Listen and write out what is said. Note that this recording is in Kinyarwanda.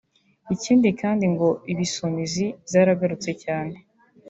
Ikindi kandi ngo Ibisumizi byaragutse cyane